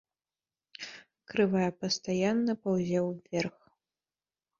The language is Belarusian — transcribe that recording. Крывая пастаянна паўзе ўверх.